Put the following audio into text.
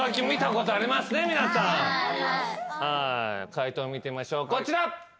解答を見てみましょうこちら。